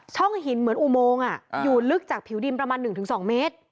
หินเหมือนอุโมงอยู่ลึกจากผิวดินประมาณ๑๒เมตร